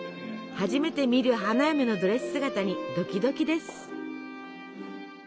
初めて見る花嫁のドレス姿にドキドキです。